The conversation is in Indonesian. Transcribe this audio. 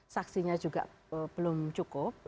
saksinya juga belum cukup